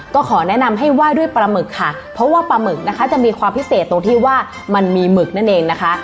ก็ขอแนะนำให้ไหว้ด้วยปลาหมึกค่ะเพราะว่าปลาหมึกนะคะจะมีความพิเศษตรงที่ว่ามันมีหมึกนั่นเองนะคะ